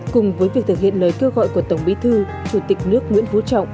cùng với việc thực hiện lời kêu gọi của tổng bí thư